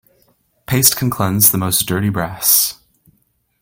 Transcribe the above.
Paste can cleanse the most dirty brass.